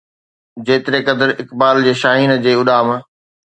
جيتريقدر اقبال جي شاهين جي اڏام